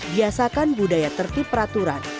biasakan budaya tertib peraturan